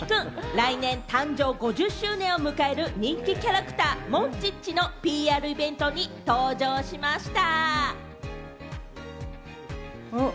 来年誕生５０周年を迎える人気キャラクター・モンチッチのＰＲイベントに登場しました。